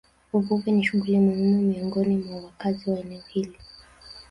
Uvuvi ni shughuli muhimu miongoni mwa wakazi wa eneo hili